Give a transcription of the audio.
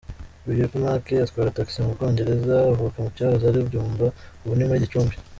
Uyu Epimaque atwara taxi mu Bwongereza, avuka mu cyahoze ari Byumba ubu nimuri Gicumbi.